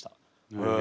へえ。